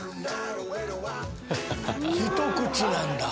ひと口なんだ。